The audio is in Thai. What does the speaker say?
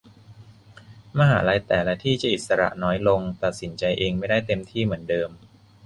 มหาลัยแต่ละที่จะอิสระน้อยลงตัดสินใจเองไม่ได้เต็มที่เหมือนเดิม